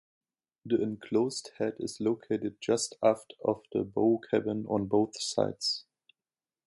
The enclosed head is located just aft of the bow cabin on both sides.